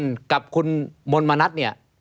คนกับคุณมณมณัฐเนี่ย